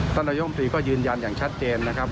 นายมตรีก็ยืนยันอย่างชัดเจนนะครับ